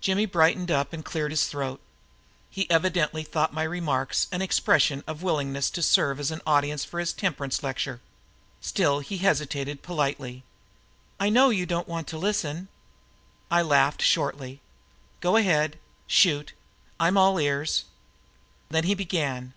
Jimmy brightened up and cleared his throat. He evidently thought my remarks an expression of willingness to serve as audience for his temperance lecture. Still he hesitated politely. "I know you don't want to listen " I laughed shortly. "Go ahead. Shoot. I'm all ears." Then he began.